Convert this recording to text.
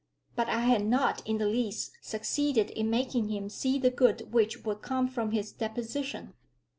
But I had not in the least succeeded in making him see the good which would come from his deposition.